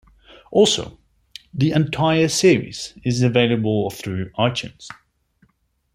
Also, the entire series is available through iTunes.